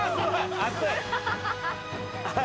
熱い！